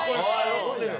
喜んでる！